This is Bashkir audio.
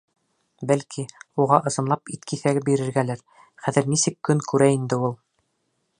Бәлки, уға ысынлап ит киҫәге бирергәлер, хәҙер нисек көн күрә инде ул?